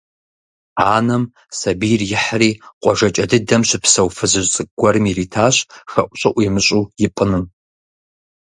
Анэм сабийр ихьри къуажэкӀэ дыдэм щыпсэу фызыжь цӀыкӀу гуэрым иритащ хэӀущӀыӀу имыщӀу ипӀыну.